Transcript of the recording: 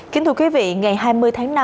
kính thưa quý vị ngày hai mươi tháng năm